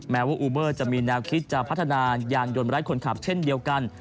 แม้ว่าอูเบอร์จะมีแนวคิดจะพัฒนายานยนต์ไร้คนขับเช่นเดียวกัน